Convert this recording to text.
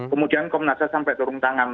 kemudian komnasnya sampai turun tangan